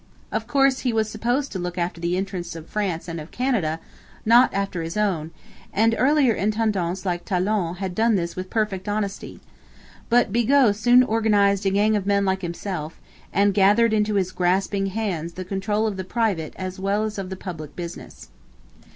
Of course, he was supposed to look after the interests of France and of Canada, not after his own; and earlier intendants like Talon had done this with perfect honesty. But Bigot soon organized a gang of men like himself, and gathered into his grasping hands the control of the private as well as of the public business.